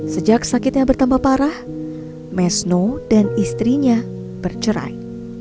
sejak sakitnya bertambah parah mesno dan istrinya bercerai